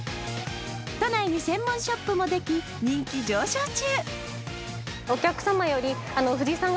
都内に専門ショップもでき、人気上昇中。